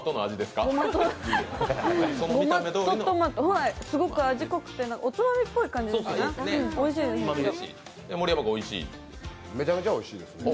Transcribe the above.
すごく味濃くておつまみっぽい味ですね。